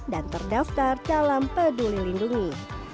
dan terdaftar dalam peduli lindungi